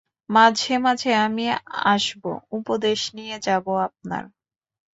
মাঝে মাঝে আমি আসব, উপদেশ নিয়ে যাব আপনার।